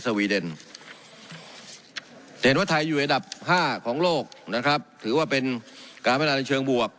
เห็นว่าไทยอยู่อันดับ๕ของโลกนะครับถือว่าเป็นการพัฒนาในเชิงบวก